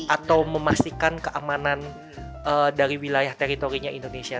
atau memastikan keamanan dari wilayah teritorinya indonesia